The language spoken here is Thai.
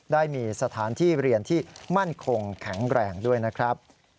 ได้มีสถานที่เรียนที่มั่นคงแข็งแรงด้วยนะครับ